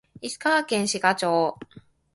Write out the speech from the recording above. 石川県志賀町